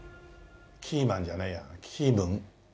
キーマンじゃないやキームン？